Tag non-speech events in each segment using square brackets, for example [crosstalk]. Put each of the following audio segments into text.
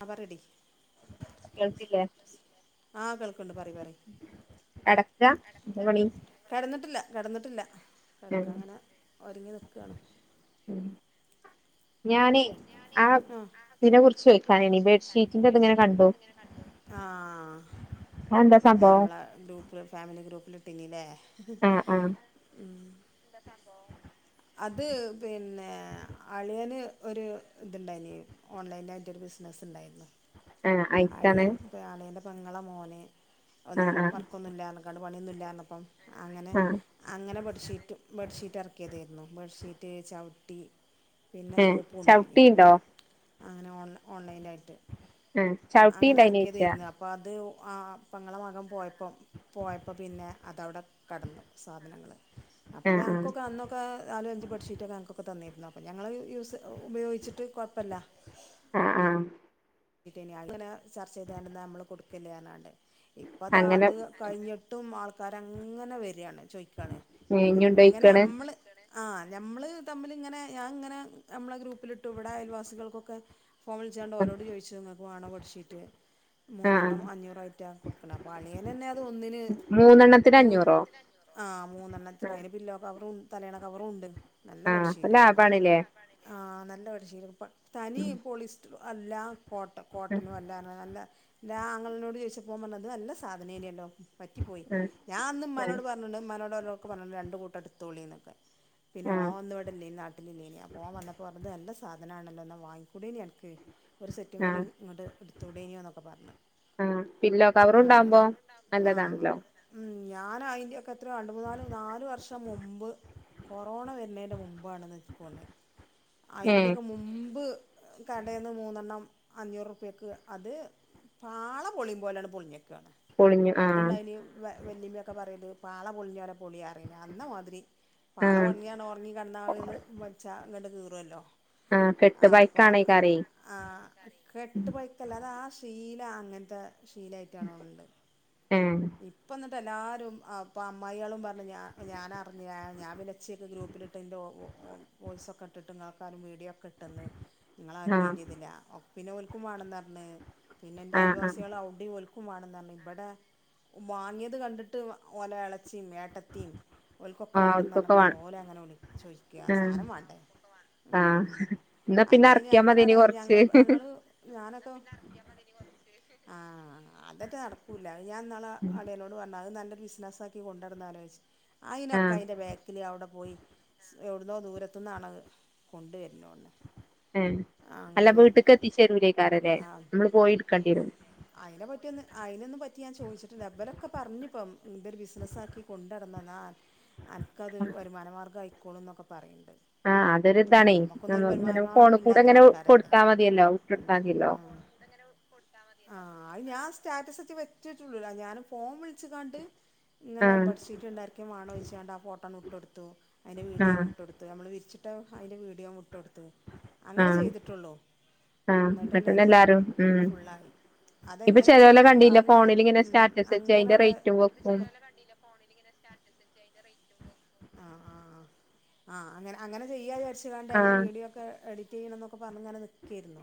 ആ പറടി കേൾക്കില്ലേ ആഹ കേൾക്ക്ണ്ട് പറിയി പറയി കടക്ക എന്താ പണി കിടന്നിട്ടില്ല കിടന്നിട്ടില്ല കട്ക്കാങ്ങനെ ഒരുങ്ങി നിൽക്കാണ്‌ ഞാനേ ആ ഇതിനെ കുറിച്ച് ചോദിക്കാനാണ് ബെഡ്ഷീറ്റിന്റെ ഇത് ഇങ്ങനെ കണ്ടു [unintelligible] ആ ആ അതെന്താ ഞാ സംഭവം മ്മളെ ഗ്രൂപ്പില് ഫാമിലി ഗ്രൂപ്പില് [unintelligible] ലെ ആഹ് ആഹ് ഉം അത് പിന്നെ അളിയന് ഒരു ഇതുണ്ടായിന് ഓൺലൈനായിട്ടൊരു ബിസിനസ്സ് ണ്ടായിരുന്നു ആഹ് അയിത്താണ് അളിയപ്പൊ അളിയന്റെ പെങ്ങളെ മോന് ഒന്നും ആഹ് ആഹ് വർക്കൊന്നുല്ലാ [unintelligible] പണിയൊന്നും ഇല്ലാർഞ്ഞപ്പം. അങ്ങനെ ആഹ് അങ്ങനെ ബെഡ്ശീറ്റും ബെഡ്ഷീറ്റ [unintelligible] ഇറക്കിയതായിരുന്നു ബെഡ്ഷീറ്റ്, ചവിട്ടി പിന്നെ ഏ സോപ്പും ഉണ്ടായിന് ചവിട്ടീണ്ടോ അങ്ങനെ ഓൺ ഓണ്ലൈനായിട്ട് ആ ചവിട്ടിണ്ട അന് ചച്ചാ ആ പെങ്ങളെ മകൻ പോയപ്പം പോയപ്പോൾ പിന്നെ അതവിടെ കടന്നു സാധനങ്ങൾ അപ്പൊ ആഹ് ആഹ് ഞങ്ങക്കൊക്കെ അന്നൊക്കെ നാലും അഞ്ചും പഠിച്ചീട്ടൊക്കെ അങ്ങക്കൊക്കെ തന്നി എന്ന അപ്പം ഞങ്ങൾ യൂസ് ഉപയോഗിച്ചിട്ട് കുഴപ്പല്ല ആഹ് ആഹ് [unintelligible] അങ്ങന ചർച്ച ചെയ്ത കൊണ്ട നമ്മള് കൊടുക്കില്ലെ ഇപ്പ ദാ അങ്ങനെ അത് കഴിഞ്ഞിട്ടും ആൾ ക്കാരങ്ങനെ വര്യാണ് ചോയ്ക്കാണ് ഇങ്ങനെ ഇഞ്ഞുണ്ടോയിക്കാണ് മ്മള് ആ ഞമ്മള് തമ്മിലിങ്ങനെ ഞാ ഇങ്ങനെ നമ്മളെ ഗ്രൂപ്പിലിട്ട് ഇവിടെ അയൽവാസികൾക്കൊക്കെ ഫോമിൽ ചെയ്യേണ്ട ആഹ് അവരോട് ചോയി ങ്ങക്ക് വേണോ ബെഡ്ഷീറ്റ് ആഹ് മൂന്നെണ്ണം അഞ്ഞൂറായിട്ടാ കൊടുക്കണെ അപ്പൊ അളിയനന്നെ അത് ഒന്നിന് മൂന്നെണ്ണത്തിന് നൂ അഞ്ഞൂറോ ആ മൂന്നെണ്ണത്തിന് അതിന് പില്ലോ കവറും തലയണ കവറും ഉണ്ട് ആ അപ്പൊ ലാഭാണില്ലേ ആ നല്ലൊരി ശീലി [unintelligible] തനി പോളിസ് അല്ലാ കോട്ട ആഹ് കോട്ടനും അല്ലാ നല്ല ഞാങ്ങളിനോട് ചോദിച്ചപ്പൊവൻ പറഞ്ഞത് ഇത് നല്ല സാധനിലില്ലോ പറ്റിപ്പോയി ആഹ് ഞാൻ അന്നും ആഹ് മ്മാനോട് പറഞ്ഞട്ട്ണ്ട് മ്മാനോട് [unintelligible] പറഞ്ഞു രണ്ടു കൂട്ട എടുത്തോളീന്നൊക്കെ പിന്നെ ആഹ് ഓ വന്നു ഇവിടെ ഇല്ലെ നാട്ടിലില്ലേനി അപ്പോ ഓൻ വന്നപ്പോ പറഞ്ഞത് ഇത് നല്ല സാ സാധനാണല്ലോന്നാ വാങ്ങികൂടായ്നോ അനക്ക് കൂടി ആഹ് ഇങ്ങട്ട് എടുത്തൂടേനീന്നൊക്കെ പറഞ്ഞ് ആഹ് പില്ലോ അങ്ങന കവറുണ്ടാവുമ്പോ ആ നല്ലതാണല്ലോ ഉം ഞാനയിന്റൊക്കെ എത്രയോ രണ്ട്മൂന്നാല് നാലു വർഷം മുമ്പ് കൊറോണ വരുന്നേന്റെ മുമ്പാണെന്നാ നിക്ക് തോന്നണേ ഏഹ് അയിന്റെയൊക്കെ മുമ്പ് കടേന്ന് മൂന്നെണ്ണം അഞ്ഞൂറുപ്പ്യക്ക് അത് പാള പൊളിയും പോലെണ്ട് പൊളിഞ്ഞു ക്ക പൊളിഞ്ഞു ആഹ് പണ്ടുണ്ടായിനി വ വല്ലിമ്മയൊക്കെ പറയല് പാള പൊളിഞ്ഞോരെ പൊളിയാറീനി അന്നു മുതല് പാള ആഹ് പണിയാൻ ഒറങ്ങി കെടന്ന ആള്കള് വച്ച അങ്ങട്ട് കീ [unintelligible] ലോ ആഹ കെട്ട് പയക്കക്കെക്കാരം ആഹ് കെട്ട് പോയിക്കല്ല അത് ആ ശീ ല്ല അങ്ങനത്തെ ശീലായിട്ടാണോണ്ട് ഏഹ് ഇപ്പൊന്ന് ഇപ്പല്ലാരും ആ ഇപ്പ അമ്മായികളും പറഞ്ഞു ഞാ ഞാനറിഞ്ഞ ഞാൻ പിന്നെ ഇച്ചേക്ക് ഗ്രൂപ്പിലിട്ടേന്റെ വോ വോ വോയിസൊക്കെ ഇട്ടിട്ടും ഇങ്ങക്കാരും വീഡിയോ പെട്ടന്ന് ഇങ്ങളാരും ആഹ് മൈന്റെയിതീല [unintelligible] പിന്നെ ഓല്ക്കും വാണന്നർഞ്ഞ് പിന്നെന്റെ ആഹ് ആഹ് അയൽവാസികള് അവടേം ഓല് ക്കുംവാണന്നർഞ് ഇബടെ വാങ്ങിയത് കണ്ടിട്ട് വ ഓലെ ആളെ ച്ചിം ഏട്ടതിം ഒൽകൊക്കെ ആഹ് ഓൽക്കൊക്കെ വാണന്നറിഞ്ക്കാണ്ട് വാണം ഓലങ്ങനെ വിളിച്ചോയിക്ക ആഹ് സാനം വാണ്ടെ ആഹ് മം ഇന്നാ പിന്നെ അതയിന് എറക്കിയാ മത്യേനി അങ്ങനെടെ ഞങ്ങ കൊർച്ച് ഞങ്ങള് ഞാനൊക്കെ ആഹ് അതെറ്റെ നടക്കൂല. ഞാൻ ന്നാള് അളിയനോട് പറഞ്ഞു അത് നല്ല ബിസിനസാക്കി കൊണ്ടട്ന്നാലോചി ച്ച് അയിനൊക്കെ ആഹ് അയിൻ്റെ ബാക്കില് അവിടെ പോയി എവ്ടുന്നോ ദൂരത്ത്ന്നാണ് കൊണ്ട് വര്ന്നോണ് ഏ അല്ല വീട്ട്ക്ക് എത്തിച്ചേരൂലേകാരലേ ആഹ് നമ്മള് പോയിടുക്കേണ്ടി വരും അയിനൊന്നും പ ഇത്ഞാൻ ചോദിച്ചിട്ടില്ല ഇവരൊക്കെ പറഞ്ഞിപ്പം വ് ഇതൊരു ബിസിനസ്സാക്കി കൊണ്ടടന്നന്നാ എൻക്കതൊരു വരുമാനമാർഗമായി കൂൾ എന്നൊക്കെ പറയന്ന് ആഹ് അതൊരു ഇതാണേ നമ്മങ്ങനെ ഫോണ് വരുമാനമാർഗ്ഗം കൂടെ ഇല്ലാത്ത ഇങ്ങനെ ആൾക്കാരല്ലേ കൊടുത്താ മതിയല്ലോ [unintelligible] മതിയല്ലോ ആ അത് ഞാൻ സ്റ്റാറ്റസ് വെച്ച വിട്ടൂല ഞാൻ ഫോൺ വിളിച്ച് ക്കാണ്ട് ഇങ്ങനെ ആഹ് ബെഡ്ഷീറ്റ് ഇണ്ട് ആർക്കേം മാണോയ്ച്ചാണ്ട ഫോട്ടോ നോ കൊടുത്തു അതിന്റെ വീഡിയോ ആഹ് മുട്ടടുത്ത് നമ്മള് വിരിച്ച് ട്ടോ അയിന്റെ വീഡിയോ മുട്ടോട്ത്ത് അങ്ങനെ ആഹ് ചെയ്തിട്ടുള്ളോ ആഹ് എന്നിട്ട് തന്നെ ഇന്നട്ടെന്നെ അത് എല്ലാരും ഉം ഫുള്ളായി, അതെങ്ങനേ വെച്ചാല് അങ്ങനെ. ങ്ങനെ ഉം സ്റ്റാറ്റസ് വച്ച് അങ്ങനെ അയിന്റെ അവിടെ റേറ്റും വെക്കും ആ ആ ആ അ അങ്ങനെ അങ്ങനെ ചെയ്യാ വിചാ ച്ചാണ്ട് ഞങ്ങള് ആഹ് വീഡിയോ ഒക്കെ എഡി ചെയ്യണം ന്നൊക്കെ പറഞ്ഞങ്ങനെ നിക്കേയിരുന്നു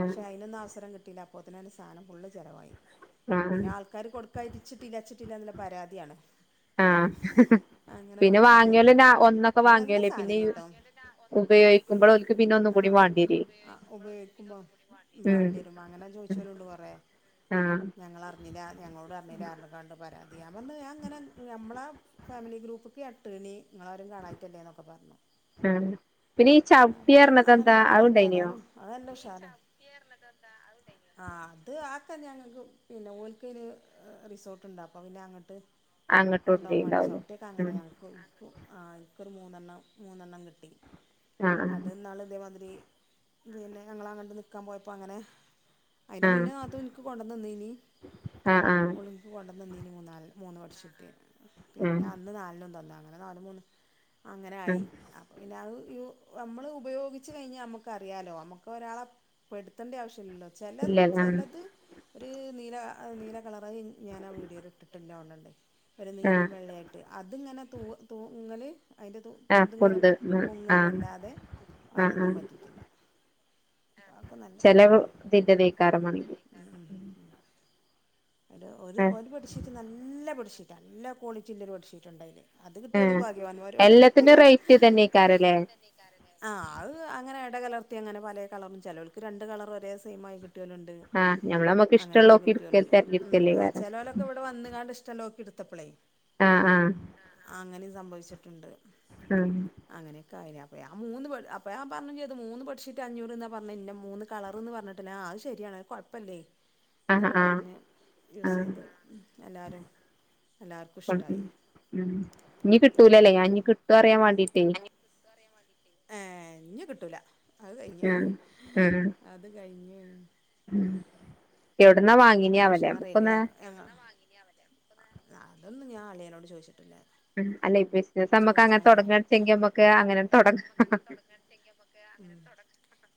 ആഹ് പക്ഷെ അതിനൊന്ന അവസരം കിട്ട ല്ല അപ്പോത്തേണും എന്റെ സാധനം ഫുള്ള് ജ ആഹ് പിന്നെ ആൾക്കാര് കൊടുക്കായിച്ചിട്ട് ഇല്ലാച്ചിട്ട് ല്ലെന്ന പരാതിയാണ്. ആഹ് അങ്ങനെ പിന്നെ പരാതി വാങ്ങിയോല് വന്ന് ഒന്നൊക്കെ അത് നല്ല വാങ്ങിയല്ലേ പിന്നെ സാനേനിട്ടോ ഉപയോഗിക്കുമ്പോൾ പിന്നെ ഓൽക്ക് ഒന്നും കൂടി ആഹ് വാങ്ങണ്ടി വരുവേ ആ ഉപയോഗിക്കുമ്പോ ഉം വാണ്ടിരും അങ്ങനെ ചോദിച്ചോലുണ്ട് കൊറേ ആഹ് ഞങ്ങളറിഞ്ഞില്ല ഞങ്ങളോട് [unintelligible] പരാതി ഞാ പറഞ്ഞു ഞാൻ ഇങ്ങനെ നമ്മളാ ഫാമിലി ഗ്രൂപ്പ്ക്ക് ഇട്ടേനി നിങ്ങളാരും കാണായിട്ടല്ലേ എന്നൊക്കെ പറഞ്ഞു. ആ പിന്നെ ഈ അപ്പോ ചവിട്ടിറണതെന്താ അത് കൊണ്ടായിനോ? ആ അത് ആ കല്യാണങ്ങൾക്കു പിന്നെ ഓൽ ൽ ഒരു റിസോർട്ടുണ്ട്, അപ്പോ പിന്നെ അങ്ങട്ട് അങ്ങോട്ടും കൊണ്ടോവാൻ മാണ്ടി ഉണ്ടായിണ്ടാവൂലേ ചവിട്ടിയൊക്കെ അങ്ങനെ ഉം ഞങ്ങക്ക് ആ ഇക്കൊരു മൂന്നെണ്ണം മൂന്നെണ്ണം കിട്ടി. ആഹ് അത് ഇന്നാള് ഇതേ മാതിരി പിന്നെ ഞങ്ങളങ്ങട്ട് നിൽക്കാൻ പോയപ്പോൾ അങ്ങനെ അതിന്റെ ആഹ് മുന്നേ നാത്തൂൻ ഇൻക്ക് കൊണ്ടന്ന് തന്നിനി. ആഹ് ആഹ് ഓള് ൻക്ക് കൊണ്ടന്ന്‌ തന്നിനി മൂന്നാലെണ് മൂന്ന് വർഷക്ക്യാവും പിന്നെ ആഹ് അന്ന് നാലിലൊന്ന് അങ്ങനെ നാലുമൂന്നും അങ്ങനൊയി ആഹ് അപ്പോം പിന്ന അത് നമ്മൾ ഉപയോഗിച്ച് കഴിഞ്ഞാൽ നമുക്കറിയാലോ നമുക്ക് ഒരാളെ പെടുത്തേണ്ട ആവശ്യമില്ലല്ലോ ചില ഇല്ലല്ല ആഹ് ചിലത് [inaudible] നീല നീല കളറ് ഞാൻ ആ വീഡിയോയിൽ ഇട്ടിട്ടില്ല ഉ ഒരു നീലും ആഹ് വെള്ളയായിട്ട് അതിങ്ങനെ ത തൂ [unintelligible] അതിൻ്റെ ആഹ് ഇതിങ്ങനെ പൊന്ത് പൊങ്ങ ആഹ് എന്നല്ലാതെ ആഹ് അറൊന്നും ആഹ് പറ്റത്തില്ല ആ കൊള്ളാലെ ചെല ഇതിന്റെതേക്കാരം മ്മ് മ്മ് മാണെങ്കി മ്മ് ഓര് ആഹ് [unintelligible] പഠിച്ചിട്ട് നല്ല പഠിച്ച നല്ല കോളിറ്റി ഉള്ളോരു ബെഡ്ഷീറ്റ്ണ്ടായിന്. അത് കിട്ടികൾക്ക് ആഹ് ഭാഗ്യവന്മാരു എല്ലാത്തിനും റേറ്റ് ഇതന്നെയ്ക്കാരല്ലേ ആ അത് അങ്ങനെ ഇടകലർ ട്ട് അങ്ങന പല കളറും ചിലവൾക്ക് രണ്ട് കളർ ഒരെ സെയിം ആയിട്ട്ട് ആഹ് ഞമ്മള അമ്മക്ക് ഇഷ്ടമുള്ള ഉം ആ ചെലോലൊക്കെ ഇവിടെ വന്ന്കാണ്ട് ഇഷ്ടളോക്കിട് ത്തപ്പളേ ആഹ് ആഹ് സംഭവിച്ചിട്ടുണ്ട് ആ [unintelligible] ആ മൂന്ന് ബഡ് അപ്പയാ പറഞ്ഞു ചെയ്ത് മൂന്ന് ബെഡ്ഷീറ്റ് അഞ്ഞൂറ്ന്നാ പറഞ്ഞേ ഇന്ന മൂന്ന് കളറ്ന്ന് പറഞ്ഞിട്ട്ല്ല ആ അത് ശരിയാണ് കുഴപ്പല്ലേ ആഹ് ന്നൊക്കെ ആഹ് പറഞ്ഞ് ആഹ് യൂസയ്ത് എല്ലാരും എല്ലാർക്കും ഉം ഇഷ്ടായി ഉം ഉം വിട്ട ഏ ഞ്ഞ് കിട്ടൂല അത് ഞാൻ കഴിഞ്ഞ്അത് കഴിഞ്ഞ് ഉം ഉം എ അതു ഉഷാറേനി ഞങ്ങ ഞങ്ങളെ അതൊന്നും ഞ നീ അവനട് ചോയിച്ചു ഉം അല്ലേ ബിസിനസമ്മക്ക് അങ്ങനെ ചോദിച്ചാഞ്ഞ് തൊടങ്ങാച്ചെങ്കി നമുക്ക് അങ്ങനെ തൊടങ്ങ്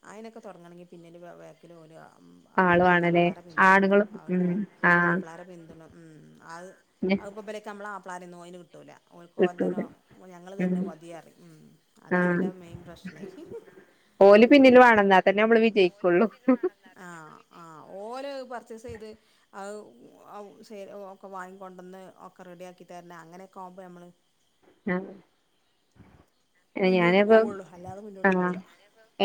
അതിനൊക്കെ തുടങ്ങണമെങ്കിൽ പിന്നില് വെ ഒരു ബേക്കിൽ ഓല് വേണം ഉം ആളു ആണല്ലേ ഭർത്താക്കന്മാരെ പിന്തുണ വാണം ആണുങ്ങളും അത്പ്പോ ഉം ആഹ് മാപ്പിള്ളാരെ പിന്തുണ ഉം അത് പിന്നെ അത്പ്പം ബ് ലെക്ക നമ്മള മാ പ്ലാനെന്നും അയിന് കിട്ടൂല്ല ഓൽക്ക് ഓൽതന്നെ കിട്ടൂല നോ ഞങ്ങൾ തർനെ ഉം മതീയറി ആഹ് അതാണല്ലോ മെയിൻ പ്രശ്നം ഓല് പിന്നില് വേണം എന്നാ തന്നെ നമ്മള് വിജയിക്കുള്ളൂ ആ ആ ഓല് പാർച്ചേസ് ചെയ്തു ആ ഔ ഔ [unintelligible] ഒക്കെ വാങ്ങിക്കൊണ്ടോന്ന് ഒക്കെറെഡിയാക്കി തരണ അങ്ങനെയൊക്കെ ആവുമ്പോ നമ്മള് ഞ മുന്നോട്ട് ഞാനിപ്പ പോവുള്ളൂ അല്ലാതെ ആ മുന്നോട്ട് പോവില്ല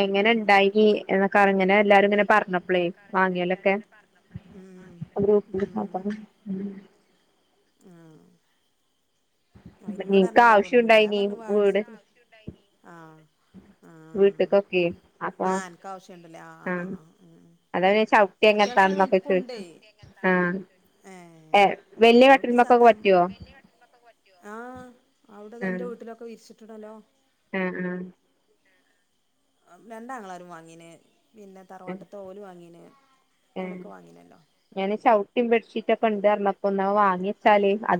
എങ്ങനെ ഉം ഉണ്ടായി എന്നൊക്കെങ്ങനെ എല്ലാരും ഇങ്ങനെ പറഞ്ഞപ്പളേ വാങ്ങിയലൊക്കെ ആ ആ ഇന്നോട് ഇൻക്ക് അറിഞ്ഞില്ല ആവശ്യം പറഞ്ഞില്ല ഞൻ ഉണ്ടായിനി പറഞ് വീട് വാട്സപ്പ് ആ. വീട്ടിലേക്കു ഒക്കെ അതാ ആഹ് അനക്ക് ആവശ്യണ്ടല്ലേ ആഹ് ആഹ് ആഹ് ഉം ഉം ഞാൻ ചോദിചേ അത്യാവശ്യം വലിപ്പുണ്ടേ ആഹ് ഏ ഏഹ് വല്യ ചവിട്ടി കട്ടിൽമക്കൊക്കെ സാധാ മ്മ പറ്റുവോ ആ ആ അവിടെതാ ന്റെ വീട്ടിലൊക്കെ [unintelligible] [unintelligible] ഹലോ ആ ആ രണ്ട് ആങ്ങളമാരും വാങ്ങീന്. പിന്നെ തറവാട്ടാതെ ഓല് വാങ്ങീന മ് ഞാൻ ചൗ മ് ബെഡ്ശീറ്റൊക്കെണ്ട്റഞ്ഞ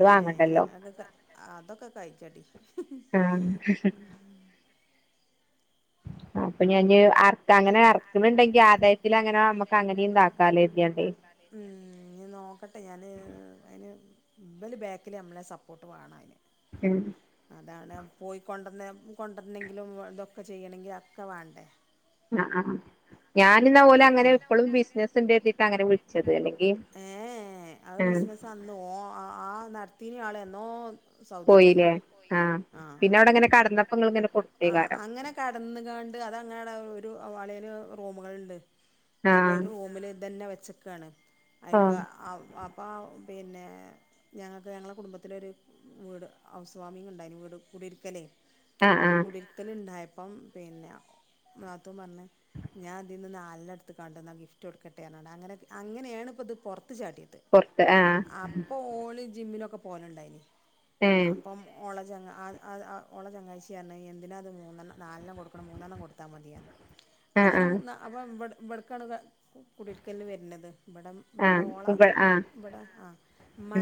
ഏ അതൊക്കെ അതൊക്കെ കഴിച്ച ടി ആഹ് ആ അപ്പൊ ഞാൻ അറക്ക അങ്ങനെ അർ ക്കുന്നുണ്ടെങ്കി ആദായത്തിൽ അങ്ങനെ നമ്മക്ക് അങ്ങനെയ ഇന്താക്കാലൽതിയാണ്ട് ഇഞ് നോക്കട്ടെ ഞാൻ അയിന് ബൽ ബാക്കിൽ നമ്മളെ സപ്പോർട്ട് വേണം അയ്ന് മ് അതാണ് പോയി കൊണ്ടന്ന് കൊണ്ടരണങ്കിലും വ് തൊക്കെ ചെയ്യണങ്കിൽ അക്കെ വാണ്ടേ ങ്ങആആ ഞാനിന്ന ഓൽ അങ്ങനെ ഇപ്പളും ബിസിനസ്ണ്ടര്തിട്ടാണ് ങ്ങനെ വിളിച്ചത് അല്ലെങ്കി വിട്ടത് അത് ഇട്തീനാളന്നോ.. അഹ് സൗദി പോയിനെ പോയില്ലേ ആഹ് ആ പിന്നെ അവിടെ ഇങ്ങനെ കടന്നപ്പോ ഇങ്ങളിങ്ങനെ ആ കൊടുത്തേക്കാരം ആഅങ്ങനെ കടന്ന്ക്കാണ്ട് അതങ്ങനൊരു വലേൽ റൂമുകൾ അപ്പൊ ആഹ് ഒരു റൂമില് ഇതന്നെ വ ച്ചക്കാണ് ഓ ആയ്ക്ക അ അപ്പം പിന്നെ ഞങ്ങൾക്ക് ഞങ്ങളുടെ കുടുംബത്തിലൊരു വീട് ഹൗസ്വാാമിംഗണ്ടായിന് വീട് കൂടിരിക്കലേ ആഹ് ആഹ് കുടിയിരിക്കൽണ്ടായ അപ്പം പിന്നെ നാത്തുംപറഞ്ഞ് ഞാൻപ്പം ഇതീന്ന് നാലണ്ണട്ത്ത്ക്കാണ്ട് ന്ന ഗിഫ്റ്റൊടുക്കട്ടെർഞാണ്ട് അങ്ങനെ അങ്ങനെയാണ് പ്പം ഇത് പുറ ത്ത്ജാട്ടീട്ട് പൊറത്ത് ആഹ് അപ്പൊ ഓള് ജിമ്മിനിലൊക്ക പോകാനുണ്ടായ ഇനി- ഏഹ് അപ്പം ഓളെ ചങ്ങ ആത് അത് ഓളെ ചെങ്ങായിച്ചിറഞ്ഞു എന്തിനാത് മൂന്നണ്ണം നാലെണ്ണം കൊടുക്കണം മൂന്നെണ്ണം കൊടുത്താൽ മതി പറഞ്ഞു. ആഹ് അങ്ങനെ മു ആഹ് നാ വ്ട് വ്ടക്കാണ് കുടിൽക്കൽ ന് വര്നത് വ്ടെ വ്ടെ ആഹ് ഓളെ ഇവ ആഹ് ഇവിടെ ആ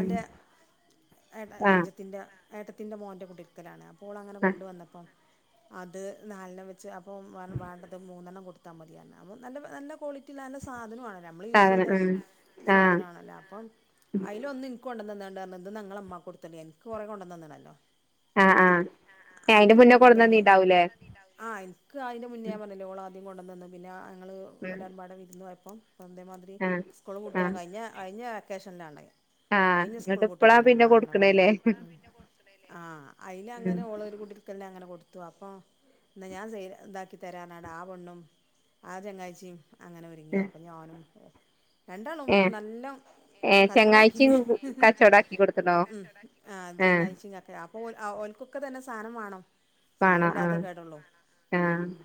ഉം ഏട ആഹ് അഞ്ചത്തിൻ്റെ ഏട്ടത്തിൻ്റെ മോൻ്റെ കുടിൽക്ക ലാണ് ഓൾ അങ്ങനെ ആഹ് കൊണ്ട് വന്നപ്പം അത് നാലെണ്ണം വെച്ച് അപ്പം വ് വേണ്ടത് മൂന്നെണ്ണം കൊടുത്താൽ മതിയാർന്ന് അമ്മു നല്ല നല്ല ക്വാളി റ്റിള്ള നല്ല സാധന മ്മൾ സാധനം യുസെയ്ത ഉം ആഹ് സാധനാണല്ലോ അപ്പൊം അയിലൊന്ന് ൻക്കൊണ്ട ന്നന്നാണ്ട് ത് ന്നാ ങ്ങളമ്മാക്ക് കൊടുത്താണ്ടീ ൻക്ക് കൊറെ കൊണ്ടന്നന്ന്ണല്ലോ ആഹ് ആഹ് അയിന്റെ അങ്ങനെ മുന്നേ കൊണ്ടന്നന്ന് കൊടന്നന്നീണ്ടാവൂലേ ആ ൻക്ക് അയിന്റെ ഉം മുന്നേർഞ്ഞില്ലോ ള ന്നിംണ്ടന്നന്ന് ബില ഞങ്ങള് ഉം ഇളയമ്മാട വീട്ടില് ഒ അതേമാതിരി ആഹ് സ്കൂള് കുട്ടിയാ ആഹ് കഴിഞ്ഞ കഴിഞ്ഞ അത്യാവശ്യമുള്ളതാണ് ആഹ് കഴിഞ്ഞ സ്കൂൾ ഇങ്ങട്ട് ഇപ്പളാ മ്പോട്ടിലാണ് പിന്നെ ഞങ്ങള് അങ്ങനെ കൊടുക്കണല്ലേ വാങ്ങിയത് ആ അയില് ഉം അങ്ങനെ ഓള് ഒരു കുട്ടക്ക് തന്നെഅങ്ങനെ കൊടു ത്ത അപ്പൊ എന്നാ ഞാൻ ഇതാക്കി തരാനാട ആ പൊണ്ണും. ആദ്യങ്ങാഴ്ചയും. അങ്ങനെ ഒരുങ്ങിയ അപ്പോം ഞാനും. രണ്ടാളും ഏഹ് നല്ലം ഏഹ് കച്ചോടം ചെങ്ങാഴ്ച്ചിം ആക്കീന്. കച്ചോടാക്കി കൊടുത്ത്ണോ ആ ഏഹ് ചങ്ങായ്ച്ചിം ക അപ്പൊ ഓൽ ഓൽക്കൊക്കെ തന്നെ സാനമാണോ. സാനം വാണോ ഇല്ലാത്ത ആഹ് കേടള്ളൂ ആഹ് ഉം.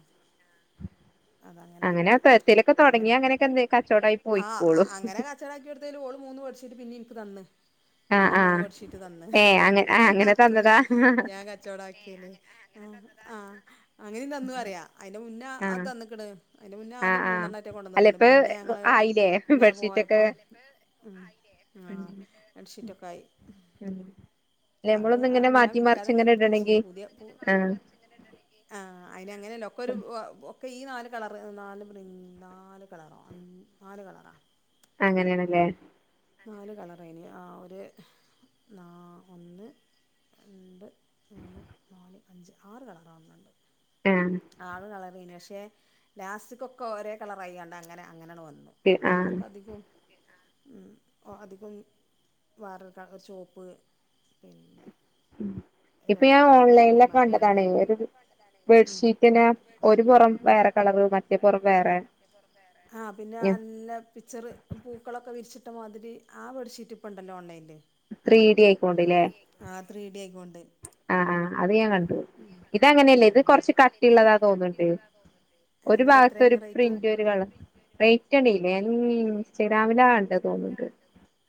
അതങ്ങനെയി അങ്ങനെ പോയി, എത്തേലൊക്കെ തൊടങ്ങിയ അങ്ങനെയൊക്കെ എന്ത് കച്ചോടായി പോയിക്കോളും അങ്ങനെ കച്ചടക്കി എടുത്തേ ഓള് മൂന്ന പഠിച്ചിട്ട് പിന്ന. എനിക്ക് തന്ന്. ആഹ് പിന്നീ മൂന്ന് ആഹ് ബഡ്ഷീറ്റ് തന്ന് ഏഹ് അങ്ങ ആഹ് അങ്ങനെ നത്തൂന് തന്നതാ ഞാൻ കച്ചവടം ആക്കിയല്. ആഹ അങ്ങനെ നന്നും അറിയ അതിന്റെ മുന്നേ ആഹ് അതിന് മുന്നേ ആഹ് ആദ്യം ആഹ് മൂന്നെണ്ണംറ്റ അല്ല കൊണ്ടന്നണ്ട്. ഇപ്പ പിന്നെ ഞങ്ങള് ആയില്ലേ ഇങ്ങനെ ബെഡ്ഷീറ്റൊക്കെ പോയപ്പം ഉം ബെഡ്ഷീറ്റ്ൊക്കെ ആയി. ഉം അല്ല നമ്മളൊന്ന് ഇങ്ങനെ അത് ഞാൻ മാറ്റി മറിച്ച് വിൽക്കാതെങ്ങനെ ഇങ്ങനെ ഇടണെങ്കി എടുത്തച്ച പുതിയ പി. ആഹ് അതിങ്ങനെയല്ല ഒക്കെ ഒരു അപ്പ ഈ നാല് കളർ നാല് നാല് കളറോ നാല് കളറാ. അങ്ങനെയാണല്ലേ. നാല് കളറന് ഒരു ഒന്ന് രണ്ട് മൂന്ന് നാല് അഞ്ച് ആറ് കളറാക്കുന്നുണ്ട്. ആഹ് ആറ് കളറില്ലേ? പക്ഷേ ലാസ്റ്റിക്കൊക്കെ ഒരേ കളർയ്യാണ്ട് അങ്ങനെ അങ്ങനെയാണ് വന്ന. അപ്പ ആഹ് എനക്ക് അധികം. ഉം അധികം വറക ചുവപ്പ് പിന്നെ. ഇപ്പൊ ഞാൻ ഓൺലൈനിലൊക്കെ കണ്ടതാണ് ഒരു ബെഡ്ഷീറ്റിന് ഒരു പുറം വേറെ കളറ് മറ്റേ പുറം വേറെ [inaudible] ഇഷ്ടമാതിരി ആ ബെഷീറ്റ് ഇപ്പ ഉണ്ടല്ലോ ഓൺലൈനിൽ. ത്രീ ഡി അയിക്കോണ്ടല്ലേ. ത്രീ ഡി ആയിക്കോണ്ടല്ലേ ആ ആ അത് ഞാൻ കണ്ട ഇതങ്ങനെയല്ല ഇത് കൊറച്ച് കട്ടിയുള്ളതാ തോന്നുണ്ട്. ഒരു എന്നിട്ട് ഭാഗത്ത് ഒരു എത്രയായിന് റേറ്റ് പ്രിന്റ് ഒരു കള റേറ്റ് അറീല്ലേ ഇൻസ്റ്റഗ്രാമിലാ കണ്ടത്. [inaudible]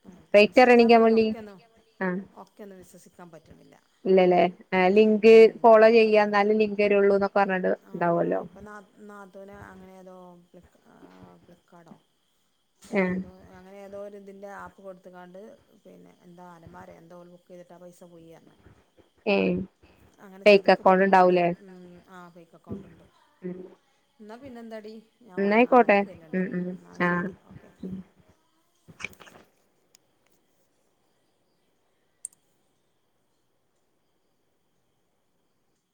ആ റേറ്റ് അറിയണെങ്കി ഇൻസ്റ്റഗ്രാമില് അയ്‌ന് നമ്മള് ഒക്കെന്നും ആഹ് ഒക്കെന്നും വിസ്വസിക്കാൻ പറ്റ് ഇല്ലല്ലേ ലിങ്ക് എന്നാലേ ഫോളോ ഇൻക്ക് ചെയ്യാ ഫോളോ എന്നാല ലിങ്ക് ചെയ്യാ വരുള്ളൂ. എന്നാലേ എന്നൊക്കെ ലിങ്ക് പറഞ്ഞ് ഉണ്ടാവല്ലോ? തരുള്ളൂന്ന് ഫ്ലി ഫ്ലിപ്പ്കാർഡോ. ഏ അതോ അങ്ങനെ ഏതോ ഇതിന്റെ ആ [unintelligible] എന്റെ അലമാര ബുക്ക് ചെയ്തിട്ട് ആ പൈസ പോയി- ഏ അങ്ങനെ ഫേക്ക് അക്കൗണ്ട് ചതിക്കപ്പെടുന്നുണ്ട്. ഉണ്ടാവൂലേ ഉം ആ ഫേക്ക് അക്കൗണ്ടുണ്ട് ഉം ന്ന പിന്നെന്താടി ഞാൻ ഒറങ്ങാ. എന്നായിക്കോട്ടെ ഒറക്ക് വരുന്നുണ്ട്. ഉം ഉം എന്നാൽ ആഹ് ശരി ഓക്കേ